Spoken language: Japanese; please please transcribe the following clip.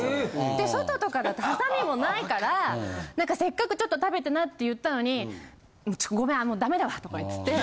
で外とかだとハサミもないからせっかくちょっと食べてなって言ったのに「ちょっごめんもうダメだわ」とか言って。